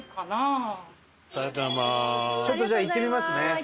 ちょっとじゃあ行ってみますね